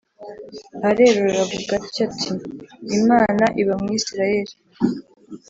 arerura avuga atya ati: i mana iba mu israyeli !